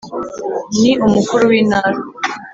ni umukuru w’intara